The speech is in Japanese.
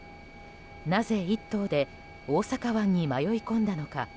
なぜ、１頭で大阪湾に迷い込んだのか。